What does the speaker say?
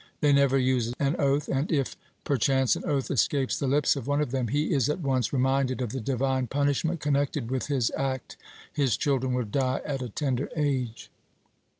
They never use an oath, and, if perchance an oath escapes the lips of one of them, he is at once reminded of the Divine punishment connected with his act his children will die at a tender age.